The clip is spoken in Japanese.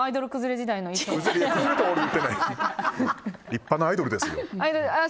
立派なアイドルですよ。